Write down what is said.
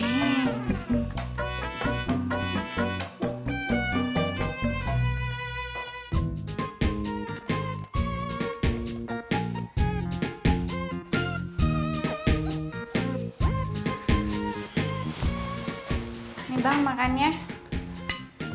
nih bang makan ya